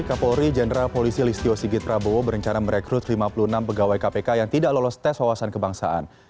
kapolri jenderal polisi listio sigit prabowo berencana merekrut lima puluh enam pegawai kpk yang tidak lolos tes wawasan kebangsaan